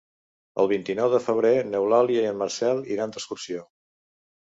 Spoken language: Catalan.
El vint-i-nou de febrer n'Eulàlia i en Marcel iran d'excursió.